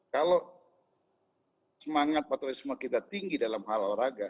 kalau semangat patrialisme kita tinggi dalam hal olahraga